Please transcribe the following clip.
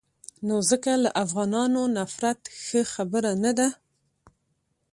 نو ځکه له افغانانو نفرت ښه خبره نه ده.